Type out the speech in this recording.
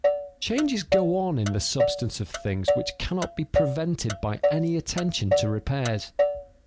_ Changes go on in the substance of things which cannot be prevented by any attention to repairs.